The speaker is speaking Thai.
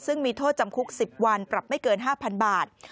ซึ่งมีโทษจำคุก๑๐วันปรับไม่เกิน๕๐๐๐บาท